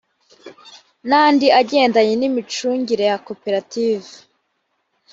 n andi agendanye n imicungire ya koperat